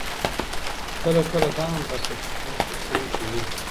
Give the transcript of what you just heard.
کله کله دا هم بس ده چې څوک دې څنګ کې وي.